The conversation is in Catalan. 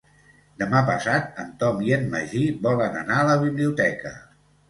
Demà passat en Tom i en Magí volen anar a la biblioteca.